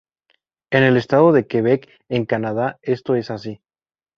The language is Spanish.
En el estado de Quebec, en Canadá, esto es así.